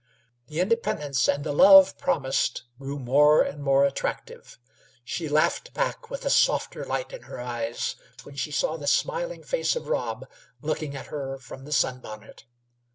The independence and the love promised grew more and more attractive. She laughed back with a softer light in her eyes, when she saw the smiling face of Rob looking at her from her sun bonnet.